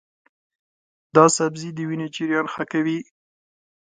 دا سبزی د وینې جریان ښه کوي.